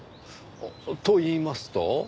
といいますと？